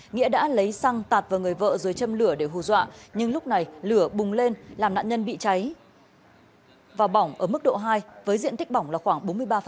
nghĩa đã lấy xăng tạt vào người vợ rồi châm lửa để hù dọa nhưng lúc này lửa bùng lên làm nạn nhân bị cháy và bỏng ở mức độ hai với diện tích bỏng là khoảng bốn mươi ba